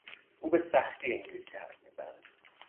او به سختی انگلیسی حرف میزند.